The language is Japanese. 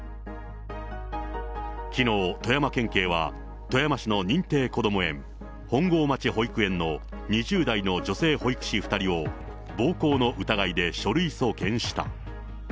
きのう、富山県警は、富山市の認定こども園、本郷町保育園の２０代の女性保育士２人を、暴行の疑いで書類送検した。